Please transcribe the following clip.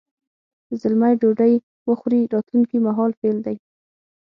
زلمی ډوډۍ وخوري راتلونکي مهال فعل دی.